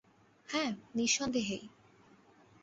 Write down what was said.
হ্যাঁ, নিঃসন্দেহেই।